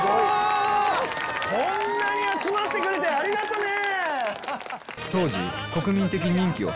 こんなに集まってくれてありがとね！